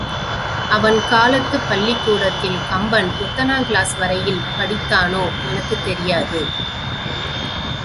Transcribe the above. அவன் காலத்துப் பள்ளிக் கூடத்தில் கம்பன் எத்தனாங்கிளாஸ் வரையில் படித்தானோ எனக்குத் தெரியாது.